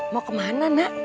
mau kemana nak